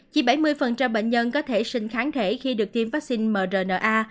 chỉ bảy mươi bệnh nhân có thể sinh kháng thể khi được tiêm vaccine mrna